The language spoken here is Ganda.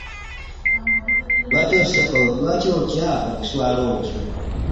Lwaki otya okuswala otyo?